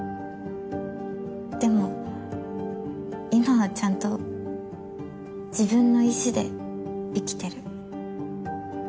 でも今はちゃんと自分の意思で生きてる。